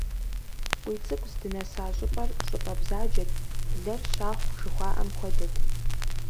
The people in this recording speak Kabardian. КъуийцӀыкӀу здынэса щӀыпӀэр щӀыпӀэ бзаджэт, блэр щахъу жыхуаӀэм хуэдэт.